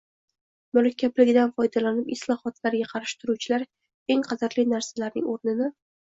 murakkabligidan foydalanib islohotlarga qarshi turuvchilar eng qadrli narsalarning o‘rnini